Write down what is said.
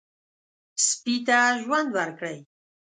سپي ته ژوند ورکړئ.